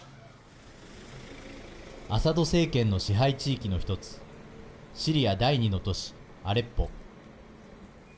アサド政権の支配地域の１つシリア第２の都市アレッポ。